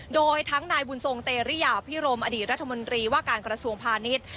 โดยทั้งนายบุญทรงเตรียพิรมอดีตรัฐมนตรีว่าการกระทรวงพาณิชย์